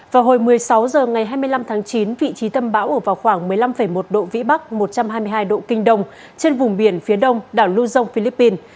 vào hồi một mươi sáu h ngày hai mươi năm tháng chín vị trí tâm bão ở vào khoảng một mươi năm một độ vĩ bắc một trăm hai mươi hai độ kinh đông trên vùng biển phía đông đảo luzon philippines